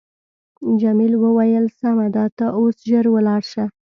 جميلې وويل: سمه ده ته اوس ژر ولاړ شه.